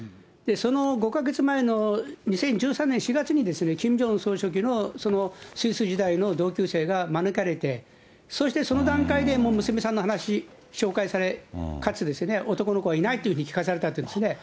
その５か月前の２０１３年４月に、キム・ジョンウン総書記のスイス時代の同級生が招かれて、そしてその段階でもう娘さんの話、紹介され、かつ、男の子はいないというふうに聞かされたというんですね。